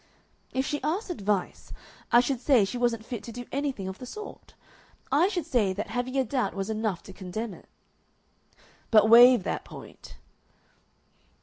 "If she asked advice, I should say she wasn't fit to do anything of the sort. I should say that having a doubt was enough to condemn it." "But waive that point."